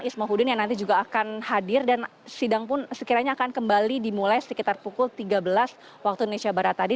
isma huddin yang nanti juga akan hadir dan sidang pun sekiranya akan kembali dimulai sekitar pukul tiga belas waktu indonesia barat tadi